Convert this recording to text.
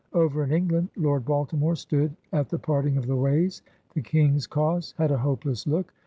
Over in England, Lord Balti more stood at the parting of the ways... The King's cause had a hopeless look.